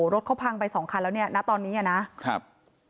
รถเขาพังไปสองคันแล้วเนี่ยณตอนนี้อ่ะนะครับ